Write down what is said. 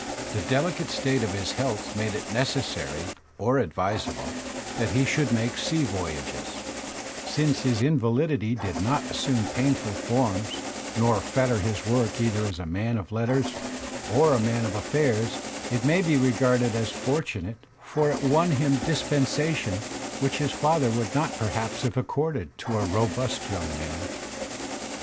The delicate state of his health made it necessary, or advisable, that he should make sea voyages. Since his invaUdity did not assume painful forms nor fetter his work either as man of letters or man of affairs, it may be regarded as fortunate, for Digitized by Google 20 THE SPIRIT OF AMERICAN LITERATURE it won him dispensations which his father would not perhaps have accorded to a robust young man.